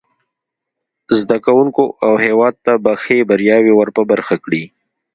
زده کوونکو او هیواد ته به ښې بریاوې ور په برخه کړي.